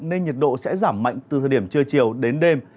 nên nhiệt độ sẽ giảm mạnh từ thời điểm trưa chiều đến đêm